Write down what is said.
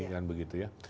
dan begitu ya